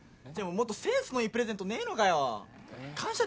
もっとセンスのいいプレゼントねえのかよ感謝